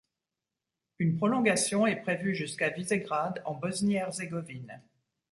Une prolongation est prévue jusqu'à Višegrad, en Bosnie-Herzégovine.